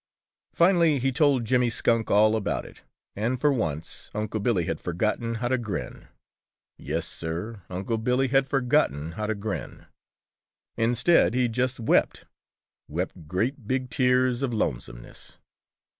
Finally he told Jimmy Skunk all about it, and for once Unc' Billy had forgotten how to grin. Yes, Sir, Unc' Billy had forgotten how to grin. Instead he just wept, wept great big tears of lonesomeness.